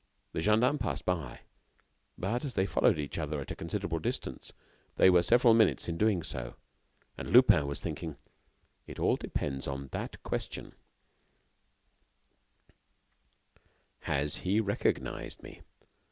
The gendarmes passed by, but, as they followed each other at a considerable distance, they were several minutes in doing so. And Lupin was thinking: "It all depends on that question: has he recognized me?